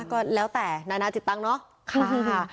ก็แล้วแต่นานาจิตตังเนาะ